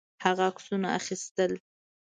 هغه عکسونه اخیستل.